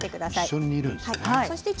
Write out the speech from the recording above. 一緒に煮るんですね。